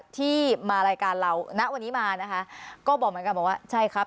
ที่มารายการเราณวันนี้มานะคะก็บอกเหมือนกันบอกว่าใช่ครับ